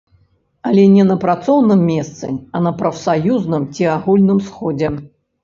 Але не на працоўным месцы, а на прафсаюзным ці агульным сходзе.